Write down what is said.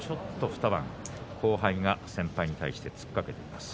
後輩が先輩に対して突っかけています。